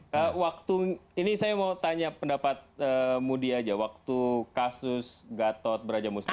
kalo waktu ini saya mau tanya pendapat mudi aja waktu kasus gatot brajamusti